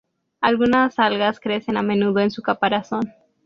Algunas algas crecen a menudo en su caparazón.